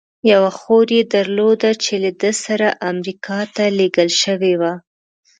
یوه خور یې درلوده، چې له ده سره امریکا ته لېږل شوې وه.